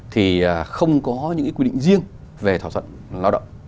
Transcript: thì không có những quy định riêng về thỏa thuận lao động